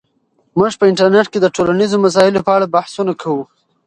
موږ په انټرنیټ کې د ټولنیزو مسایلو په اړه بحثونه کوو.